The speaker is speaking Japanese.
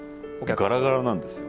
ガラガラなんですよ